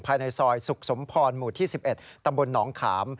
ภายในซอยสุขสมพรหมู่ที่๑๑ตำบลหนองขาม